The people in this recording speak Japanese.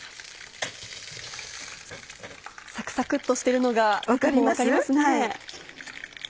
サクサクっとしてるのがもう分かりますね。